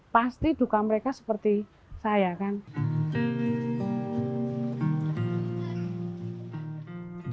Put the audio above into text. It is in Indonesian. pasti duka mereka seperti saya kan